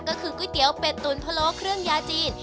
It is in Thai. ก็คือก๋วยเตี๋ยวเป็ดตุ๋นพะโลเครื่องยาจีน